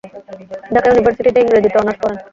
ঢাকা ইউনিভার্সিটিতে ইংরেজিতে অনার্স পড়েন।